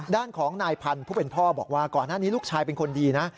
ด้านของนายพันธุ์ผู้เป็นพ่อบอกว่าก่อนหน้านี้ลูกชายเป็นคนดีนะ